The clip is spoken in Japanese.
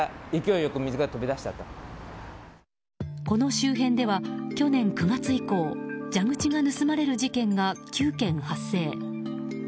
この周辺では去年９月以降蛇口が盗まれる事件が９件発生。